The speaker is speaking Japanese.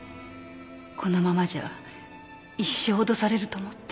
このままじゃ一生脅されると思って。